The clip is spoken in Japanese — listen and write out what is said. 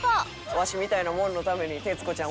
わしみたいなもんのために徹子ちゃん